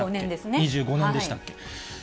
２５年でしたっけ。